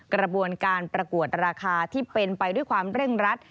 กระบวนการประกวดราคาที่เป็นไปด้วยความเร่งรัด